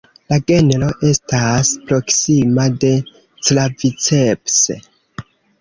La genro estas proksima de "Claviceps".